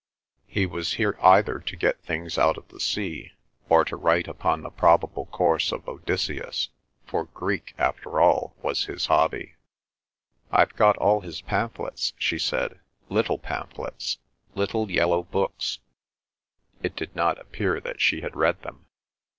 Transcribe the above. He was here either to get things out of the sea, or to write upon the probable course of Odysseus, for Greek after all was his hobby. "I've got all his pamphlets," she said. "Little pamphlets. Little yellow books." It did not appear that she had read them.